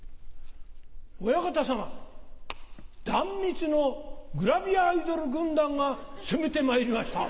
お屋形さま壇蜜のグラビアアイドル軍団が攻めてまいりました。